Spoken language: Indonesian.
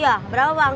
iya berapa bang